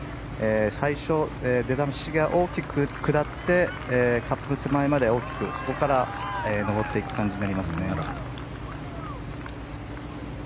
最初、出だしが大きく下ってカップの手前まで大きく、そこから上っていく感じになりますね。